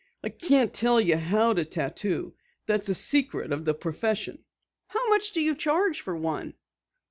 "I can't tell you how to tattoo that's a secret of the profession." "How much do you charge for one?"